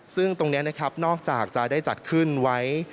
ซึ่งตรงนี้นะครับนอกจากจะได้จัดขึ้นไว้